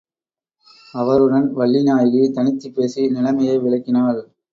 அவருடன் வள்ளிநாயகி தனித்துப் பேசி நிலைமையை விளக்கினாள்.